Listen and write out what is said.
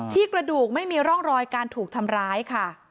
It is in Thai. กระดูกไม่มีร่องรอยการถูกทำร้ายค่ะ